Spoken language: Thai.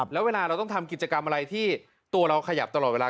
แล้วเวลาเราต้องทำกิจกรรมอะไรที่ตัวเราขยับตลอดเวลา